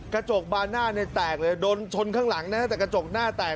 กระจกบาน่าเนี่ยแตกเลยโดนชนข้างหลังนะฮะแต่กระจกหน้าแตก